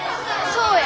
そうや！